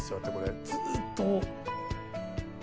ずっと。